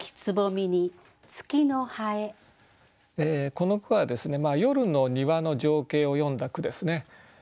この句は夜の庭の情景を詠んだ句ですね。